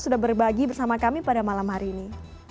sudah berbagi bersama kami pada malam hari ini